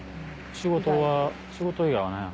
仕事は仕事以外は何や。